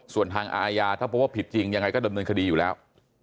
ส่วนทางอาญาถ้าพบว่าผิดจริงยังไงก็ดำเนินคดีอยู่แล้ว